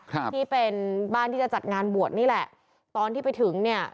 ครับที่เป็นบ้านที่จะจัดงานบวชนี่แหละตอนที่ไปถึงเนี่ย